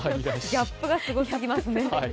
ギャップがすごすぎますね。